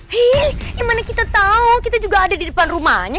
hii gimana kita tahu kita juga ada di depan rumahnya